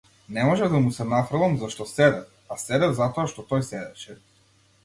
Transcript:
Не можев да му се нафрлам, зашто седев, а седев затоа што тој седеше.